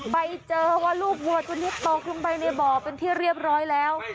ใบเจอว่ารูปวัดเป็นที่ต่อขึ้นไปในบ่อเป็นที่เรียบร้อยแล้ว